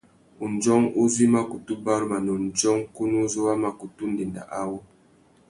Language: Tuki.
Undjông uzu i mà kutu baruma nà undjông kunú uzu wa mà kutu ndénda awô.